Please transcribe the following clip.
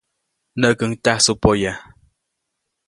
Näʼkuŋ tyajsuʼk poya.